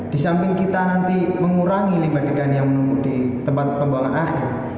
di samping kita nanti mengurangi limbah degan yang menunggu di tempat pembuangan akhir